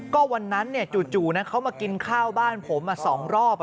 ก็วันนั้นจู่เขามากินข้าวบ้านผม๒รอบ